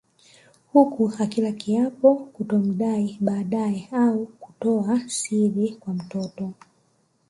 Huku akila kiapo kutomdai baadae au kutoa siri kwa mtoto